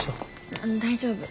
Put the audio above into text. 大丈夫？